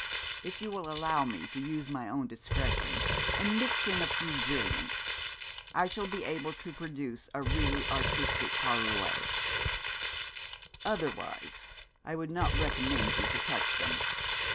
If you will allow me to use my own discretion, and mix in a few brilliants, I shall be able to produce a really artistic parure; otherwise I would not recommend you to touch them.